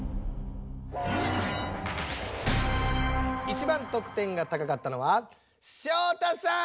一番得点が高かったのは照太さん！